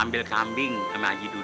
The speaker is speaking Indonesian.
ambil kambing sama aji dudun